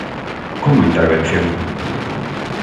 Como intervención?